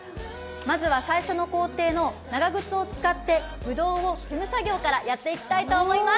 まずは最初の工程の長靴を使ってぶどうを踏む作業からやっていきたいと思います。